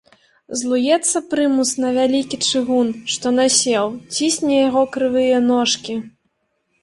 Злуецца прымус на вялікі чыгун, што насеў, цісне яго крывыя ножкі.